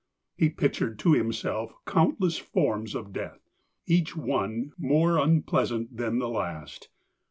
He pictured to himself countless forms of death, each one more unpleasant than the last.